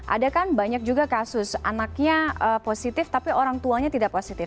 ada kan banyak juga kasus anaknya positif tapi orang tuanya tidak positif